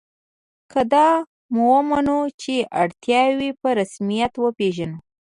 که دا ومنو چې اړتیاوې په رسمیت وپېژنو.